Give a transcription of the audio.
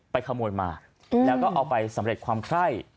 ขโมยมาแล้วก็เอาไปสำเร็จความไคร่